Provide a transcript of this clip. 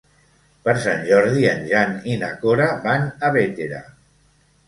Per Sant Jordi en Jan i na Cora van a Bétera.